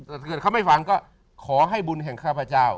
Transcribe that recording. ถ้าเขาไม่ฟังก็ขอให้บุญแห่งข้าพเจ้า